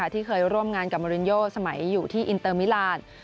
ที่เคยร่วมงานกับมารินโยสมัยอยู่ที่อินเตอร์มิลาน